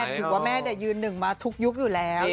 ถือว่าแม่ยืนหนึ่งมาทุกยุคอยู่แล้ว